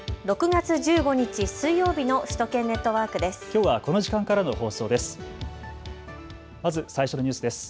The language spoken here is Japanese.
６月１５日、水曜日の首都圏ネットワークです。